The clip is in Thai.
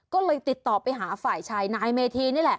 ก็เลยติดต่อไปหาฝ่ายชายนายเมธีนี่แหละ